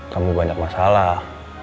kamu banyak masalah